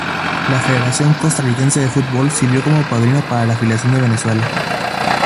La Federación Costarricense de Fútbol sirvió como padrino para la afiliación de Venezuela.